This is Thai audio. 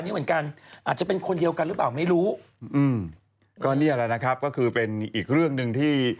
อือก็นี่นะครับก็คือเป็นอีกเรื่องหนึ่งที่